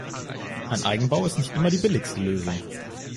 Ein Eigenbau ist nicht immer die billigste Lösung.